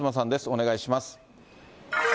お願いします。